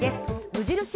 無印